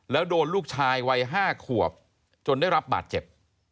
แล้วโดนลูกชายวัย๕ขวบจนได้รับบาดเจ็บ